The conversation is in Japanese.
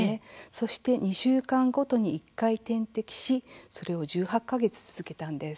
そして２週間ごとに１回点滴しそれを１８か月続けたんです。